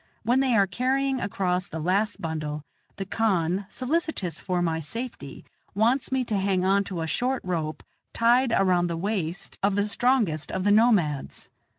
When they are carrying across the last bundle, the khan, solicitous for my safety, wants me to hang on to a short rope tied around the waist of the strongest of the nomads.